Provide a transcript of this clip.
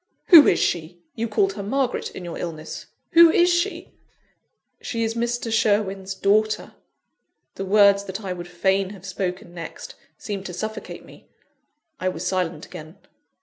"Who is she? You called her Margaret, in your illness who is she?" "She is Mr. Sherwin's daughter " The words that I would fain have spoken next, seemed to suffocate me. I was silent again.